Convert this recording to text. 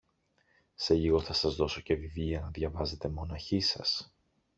Σε λίγο θα σας δώσω και βιβλία να διαβάζετε μοναχοί σας.